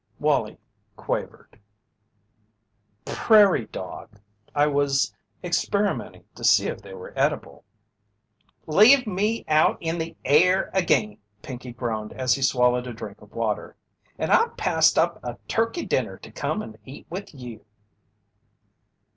Wallie quavered: "Prairie dog I was experimenting to see if they were edible." "Leave me out in the air again!" Pinkey groaned as he swallowed a drink of water. "And I passed up a turkey dinner to come and eat with you!"